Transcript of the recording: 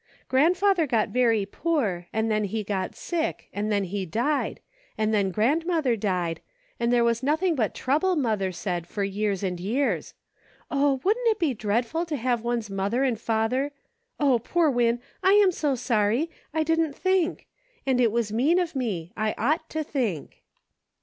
Grandfather got very poor, and then he got sick, and then he died, and then grandmother died, and there was nothing but trouble, mother said, for years and years. O, wouldn't it be dreadful to have one's mother and father — O, poor Win, I am so sorry! I didn't think. And it was mean of me ; I ought to think."